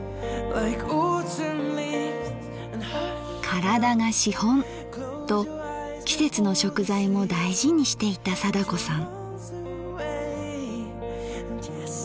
「体が資本！」と季節の食材も大事にしていた貞子さん。